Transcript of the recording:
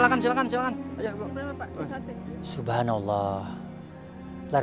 aminnya juga sama tuhan